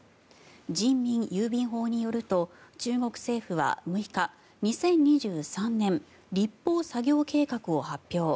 人民郵便報によると中国政府は６日２０２３年立法作業計画を発表。